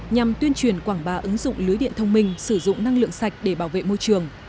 nhằm tuyên truyền quảng bá ứng dụng lưới điện thông minh sử dụng năng lượng sạch để bảo vệ môi trường